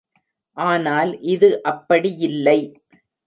ஆனால் இது அப்படியில்லை.